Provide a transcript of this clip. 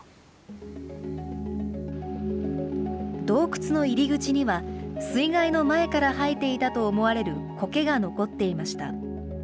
洞窟の入り口には、水害の前から生えていたと思われるコケが残っていました。